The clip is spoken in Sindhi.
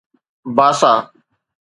باسا